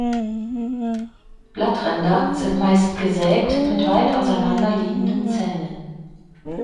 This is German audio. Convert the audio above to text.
Die Blattränder sind meist gesägt mit weit auseinanderliegenden Zähnen.